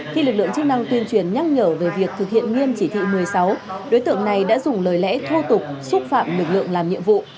khi lực lượng chức năng tuyên truyền nhắc nhở về việc thực hiện nghiêm chỉ thị một mươi sáu đối tượng này đã dùng lời lẽ thô tục xúc phạm lực lượng làm nhiệm vụ